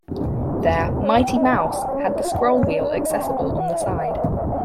Their "Mighty Mouse" had the scroll wheel accessible on the side.